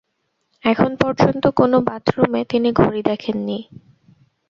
এখন পর্যন্ত কোনো বাথরুমে তিনি ঘড়ি দেখেন নি।